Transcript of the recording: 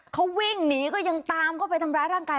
เขาวิ่งหนีก็ยังตามเข้าไปทำร้ายร่างกาย